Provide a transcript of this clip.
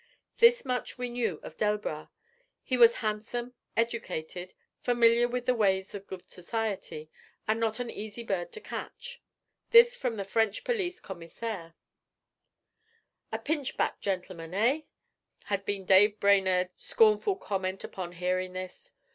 This much we knew of Delbras: he was 'handsome, educated, familiar with the ways of good society, and not an easy bird to catch.' This from the French police commissaire. 'A pinchbeck gentleman, eh!' had been Dave Brainerd's scornful comment upon hearing this.